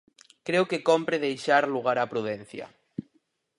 Creo que cómpre deixar lugar á prudencia.